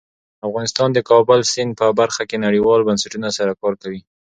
افغانستان د د کابل سیند په برخه کې نړیوالو بنسټونو سره کار کوي.